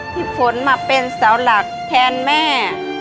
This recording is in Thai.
พี่ฝนมาเป็นเสาหลักแทนแม่